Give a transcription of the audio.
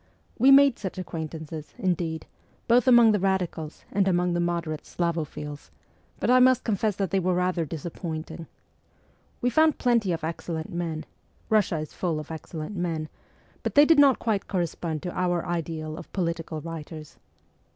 We made such acquaintances, indeed, both among the radicals and among the moderate Slavophiles ; but I must confess that they were rather disappointing. We found plenty of excellent men Eussia is full of excel lent men but they did not quite correspond to our ideal of political writers.